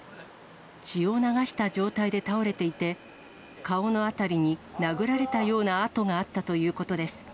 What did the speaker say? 血を流した状態で倒れていて、顔のあたりに殴られたような痕があったということです。